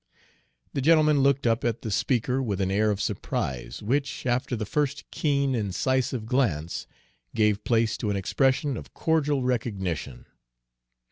The gentleman looked up at the speaker with an air of surprise, which, after the first keen, incisive glance, gave place to an expression of cordial recognition.